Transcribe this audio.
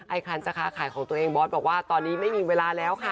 คันจะค้าขายของตัวเองบอสบอกว่าตอนนี้ไม่มีเวลาแล้วค่ะ